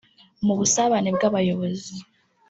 Mu busabane bw’abayobozi